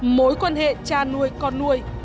mối quan hệ cha nuôi con nuôi